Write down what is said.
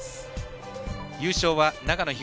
優勝は長野東。